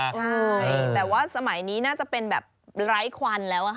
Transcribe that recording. ใช่แต่ว่าสมัยนี้น่าจะเป็นแบบไร้ควันแล้วค่ะ